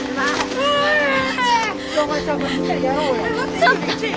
ちょっと！